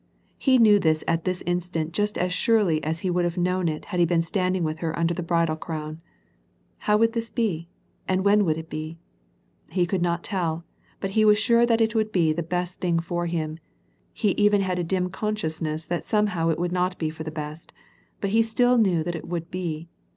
He knew this at this instant just as surely as he would have known it had he been standing with her under the bridal crown. How would this be ? and when would it be ? He could not tell, he was not sure that it would be the best thing for him ; he even had a dim consciousness that somehow it would not be for the best, but still he knew that it would be.